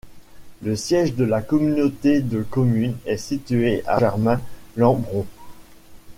Le siège de la communauté de communes est situé à Saint-Germain-Lembron.